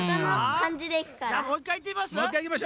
じゃあもういっかいいってみます？